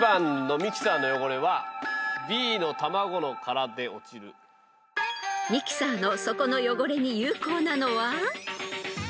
［ミキサーの底の汚れに有効なのは］